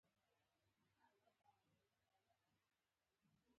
داسې مشران خوند کوي چې په ژوندیو حسابېږي.